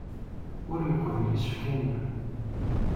Ur yeqbil isefka-nni.